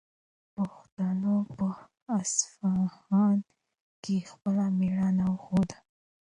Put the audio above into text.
پښتنو په اصفهان کې خپله مېړانه وښوده.